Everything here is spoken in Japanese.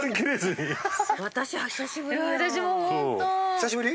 久しぶり！